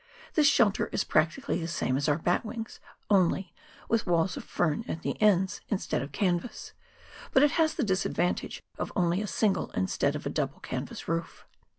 This shelter is prac tically the same as our batwings, only, with walls of fern at the ends instead of canvas ; but it has the disadvantage of only a single, instead of double, canvas roof.